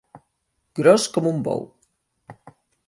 Gros com un bou.